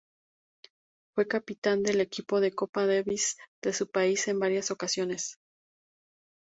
Fue capitán del equipo de "Copa Davis" de su país en varias ocasiones.